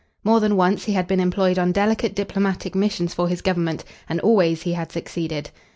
More than once he had been employed on delicate diplomatic missions for his Government, and always he had succeeded.